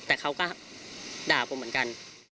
แต่เขาก็ด่าผมเหมือนกัน